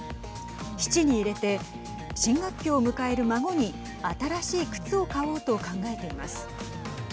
質に入れて新学期を迎える孫に新しい靴を買おうと考えています。